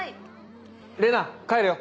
玲奈帰るよ。